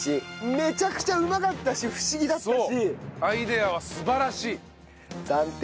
めちゃくちゃうまかったし不思議だったし。